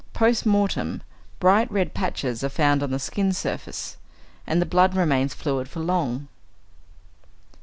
Post mortem, bright red patches are found on the skin surface, and the blood remains fluid for long.